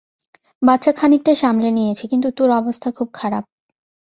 বাচ্চা খানিকটা সামলে নিয়েছে, কিন্তু তোর অবস্থা খুব খারাপ।